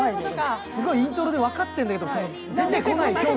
すごいイントロで分かってるんだけど出てこない。